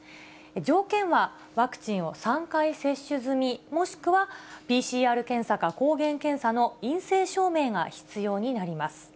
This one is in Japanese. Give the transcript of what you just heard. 条件はワクチンを３回接種済み、もしくはＰＣＲ検査か抗原検査の陰性証明が必要になります。